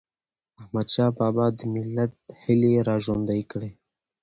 احمدشاه بابا د ملت هيلي را ژوندی کړي.